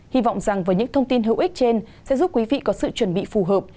hy vọng rằng với những thông tin hữu ích trên sẽ giúp quý vị có sự chuẩn bị phù hợp